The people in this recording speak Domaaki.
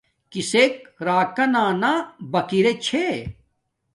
کسک راکانا باکیرے چھے